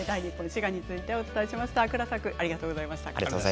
滋賀についてお伝えしました。